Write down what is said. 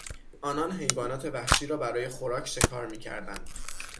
آنان حیوانات وحشی را برای خوراک شکار میکردند.